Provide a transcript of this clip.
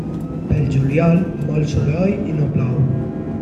Pel juliol, molt soroll i no plou.